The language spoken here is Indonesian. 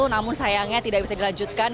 namun sayangnya tidak bisa dilanjutkan